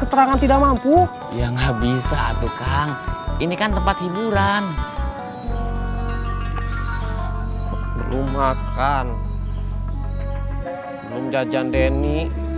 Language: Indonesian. keterangan tidak mampu ya nggak bisa tuh kang ini kan tempat hiburan belum makan belum jajan deni